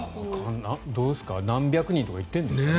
どうですか何百人とか行ってるんですかね。